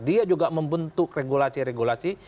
dia juga membentuk regulasi regulasi